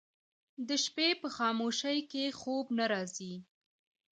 د شپې په خاموشۍ کې خوب نه راځي